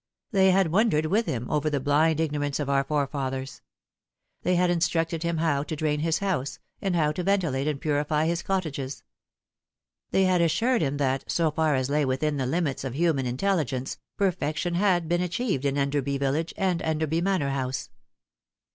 They had wondered with him over the blind ignorance of our forefathers. They had instructed him how to drain his house, and how to ventilate and purify his cottages. They had assured him that, so far as lay within the limits of human intelligence, perfection had been achieved in Euderby village and Enderby Manor House.